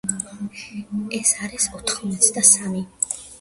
ეს არის ოთხმოცდასამი.